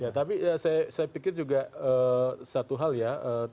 ya tapi saya pikir juga satu hal ya